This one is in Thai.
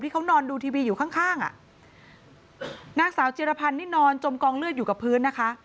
ที่เขานอนดูทีวีอยู่ข้างนางสาวเจียรพรรณนี่นอนจมกองเลือดอยู่กับพื้นนะคะ